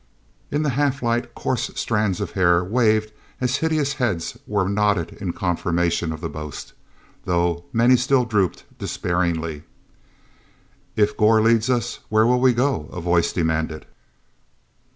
In the half light, coarse strands of hair waved as hideous heads were nodded in confirmation of the boast, though many still drooped despairingly. "If Gor leads, where will he go?" a voice demanded.